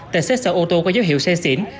tại xét sở ô tô có dấu hiệu xe xỉn